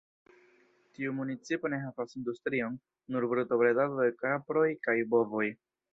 Tiu municipo ne havas industrion, nur brutobredado de kaproj kaj bovoj.